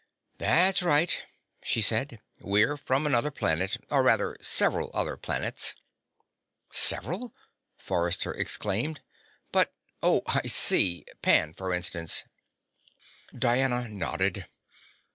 "That's right," she said. "We're from another planet or, rather, from several other planets." "Several?" Forrester exclaimed. "But oh. I see. Pan, for instance " Diana nodded.